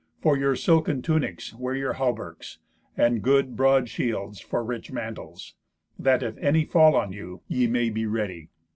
For your silken tunics wear your hauberks, and good broad shields for rich mantels, that, if any fall on you, ye may be ready.